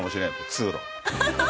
通路。